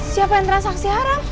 siapa yang transaksi horam